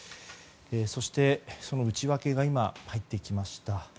そして、その内訳が今入ってきました。